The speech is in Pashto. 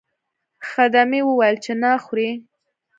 خدمې وویل چې نه خورئ.